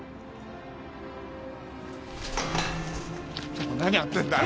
ちょっと何やってんだよ！？